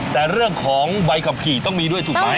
แต่เรื่องของใบขับขี่ต้องมีด้วยถูกไหม